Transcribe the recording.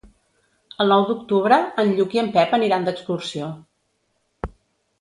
El nou d'octubre en Lluc i en Pep aniran d'excursió.